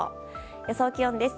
予想気温です。